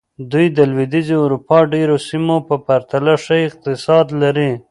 دوی د لوېدیځې اروپا ډېرو سیمو په پرتله ښه اقتصاد لري.